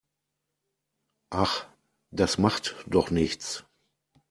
Ach, das macht doch nichts.